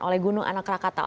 oleh gunung anak rakata